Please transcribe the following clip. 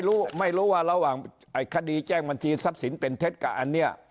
รู้ไม่รู้ว่าระหว่างไอ้คดีแจ้งบัญชีทรัพย์สินเป็นเท็จกับอันนี้